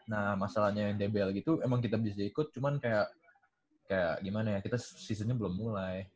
nah masalahnya yang debel gitu emang kita bisa ikut cuman kayak gimana ya kita seasonnya belum mulai